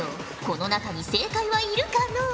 この中に正解はいるかのう。